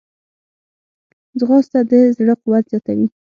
ځغاسته د زړه قوت زیاتوي